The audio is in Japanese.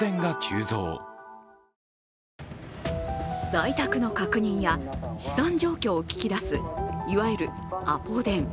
在宅の確認や資産状況を聞き出す、いわゆるアポ電。